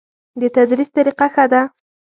د تدریس طریقه ښه ده؟